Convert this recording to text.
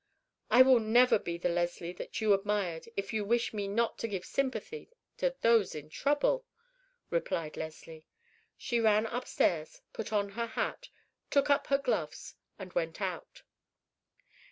"I will never be the Leslie that you admired if you wish me not to give sympathy to those in trouble," replied Leslie. She ran upstairs, put on her hat, took up her gloves, and went out.